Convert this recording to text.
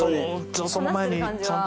その前にちゃんと。